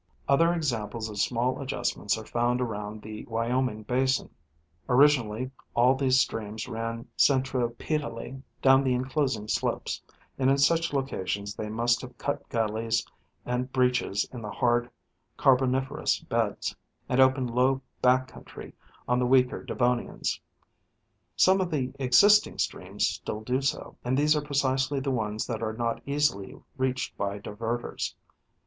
— Other examples of small adjustments are found around the Wyoming basin, fig. 26, Fig. 26. Originally all these streams ran centripetally down the enclosing slopes, and in such locations they must have cut gullies and breaches in the hard Carboniferous beds and opened low back country on the weaker Devonians. Some of the existing streams still do so, and these are precisely the ones that are not easily reached by divertors.